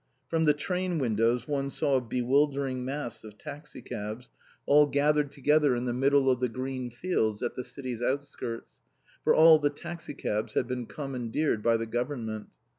From the train windows one saw a bewildering mass of taxi cabs all gathered together in the middle of the green fields at the city's outskirts, for all the taxi cabs had been commandeered by the Government.